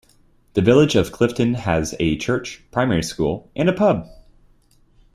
The village of Clifton has a church, primary school, and a pub.